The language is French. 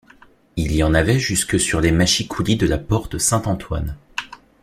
Il y en avait jusque sur les mâchicoulis de la Porte Saint-Antoine.